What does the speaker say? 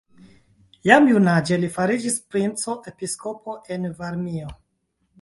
Jam junaĝe li fariĝis princo-episkopo en Varmio.